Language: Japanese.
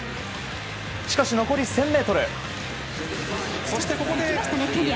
しかし、残り１０００ｍ。